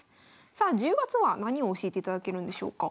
さあ１０月は何を教えていただけるんでしょうか？